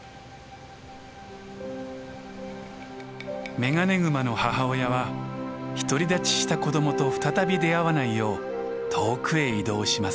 メガネグマの母親は独り立ちした子どもと再び出会わないよう遠くへ移動します。